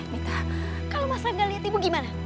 mita kalau masalah gak liat ibu gimana